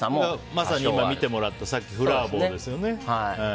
まさに今見てもらったさっきのフラゥ・ボゥですよね。